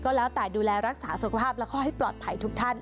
แล้วแต่ดูแลรักษาสุขภาพแล้วก็ให้ปลอดภัยทุกท่าน